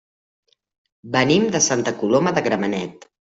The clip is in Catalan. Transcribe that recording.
Venim de Santa Coloma de Gramenet.